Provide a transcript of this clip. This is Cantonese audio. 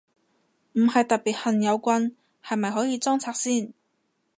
唔係特別恨有棍，係咪可以裝拆先？